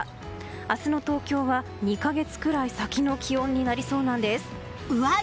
明日の東京は２か月ぐらい先の気温になりそうなんです。